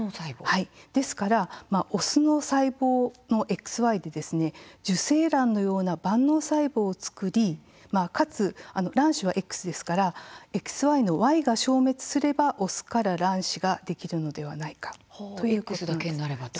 ですから、オスの細胞ＸＹで受精卵のような万能細胞を作りかつ卵子はＸですからＸＹのＹが消滅すればオスから卵子ができるのではないかということです。